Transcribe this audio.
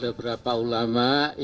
tapi kita harus tarik memori